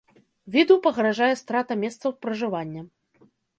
Віду пагражае страта месцаў пражывання.